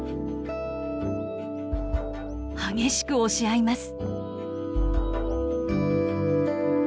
激しく押し合います。